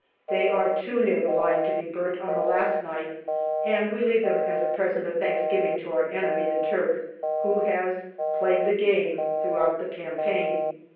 They are too near the line to be burnt on the last night, and we leave them as a present of thanksgiving to our enemy, the Turk, who has " played the game " throughout the campaign.